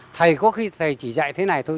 thầy có khi thầy chỉ dạy thế này thôi